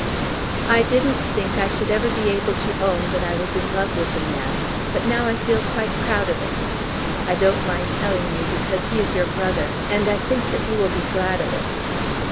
I didn't think I should ever be able to own that I was in love with a man; but now I feel quite proud of it. I don't mind telling you because he is your brother, and I think that you will be glad of it.